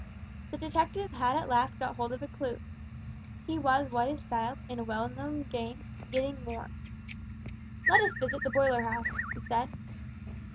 The detective had at last got hold of a clew. He was what is styled, in a well known game, "getting warm." "Let us visit the boiler house," he said.